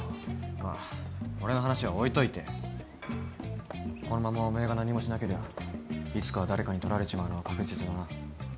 まあ俺の話は置いといてこのままおめえが何もしなけりゃいつかは誰かに取られちまうのは確実だな。